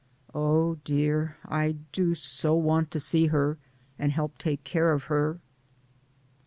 Oh, dear. I do so want to see her and help take care of her.